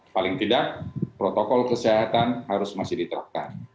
paling tidak protokol kesehatan harus masih diterapkan